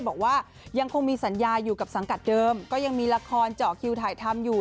บอกว่ายังคงมีสัญญาอยู่กับสังกัดเดิมก็ยังมีละครเจาะคิวถ่ายทำอยู่